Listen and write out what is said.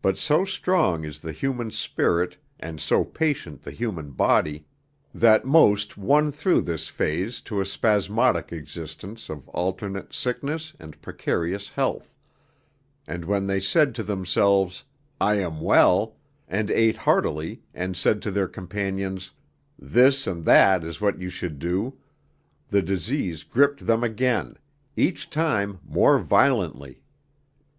But so strong is the human spirit and so patient the human body, that most won through this phase to a spasmodic existence of alternate sickness and precarious health; and when they said to themselves 'I am well,' and ate heartily, and said to their companions 'This and that is what you should do,' the disease gripped them again, each time more violently.